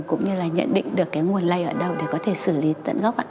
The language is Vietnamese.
cũng như là nhận định được cái nguồn lây ở đâu để có thể xử lý tận gốc ạ